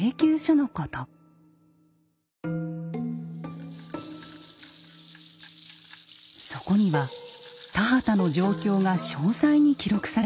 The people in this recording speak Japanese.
そこには田畑の状況が詳細に記録されていました。